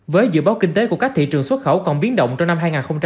với dự báo kinh tế của các thị trường xuất khẩu còn biến động trong năm hai nghìn hai mươi